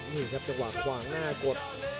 นี่ครับจังหวะขวางหน้ากด